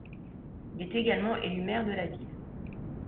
Il est également élu maire de la ville.